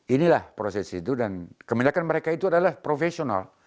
inilah proses itu dan kebanyakan mereka itu adalah profesional